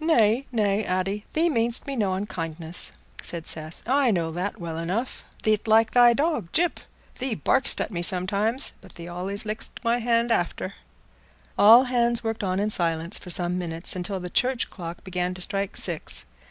"Nay, nay, Addy, thee mean'st me no unkindness," said Seth, "I know that well enough. Thee't like thy dog Gyp—thee bark'st at me sometimes, but thee allays lick'st my hand after." All hands worked on in silence for some minutes, until the church clock began to strike six.